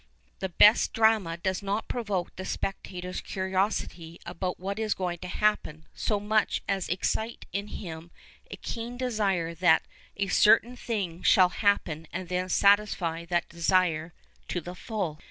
The best drama does not provoke the spectator's curiosity about what is going to happen so much as excite in him a keen desire that a certain thing shall happen and then satisfy that desire to the full.